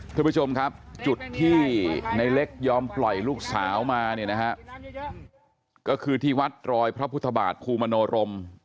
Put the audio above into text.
ทุกผู้ชมครับจุดที่ในเล็กยอมปล่อยลูกสาวมาเนี่ยนะฮะก็คือที่วัดรอยพระพุทธบาทภูมโนรม